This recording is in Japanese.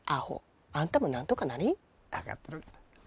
分かってるがな。